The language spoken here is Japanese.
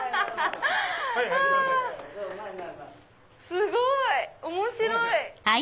すごい！面白い！